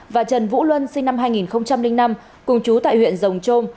và trần vũ luân sinh năm hai nghìn năm cùng chú tại huyện rồng trôm